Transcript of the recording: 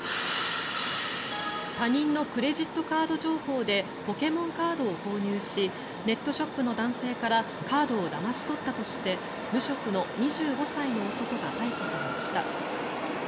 他人のクレジットカード情報でポケモンカードを購入しネットショップの男性からカードをだまし取ったとして無職の２５歳の男が逮捕されました。